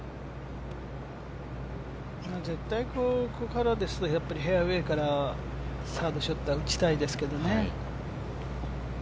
絶対ここからですと、フェアウエーからサードショット打ちたいですけどね。